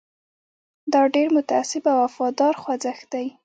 دا ډېر متعصب او وفادار خوځښت دی.